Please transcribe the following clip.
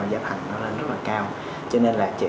giá thành nó lên rất là cao cho nên là chỉ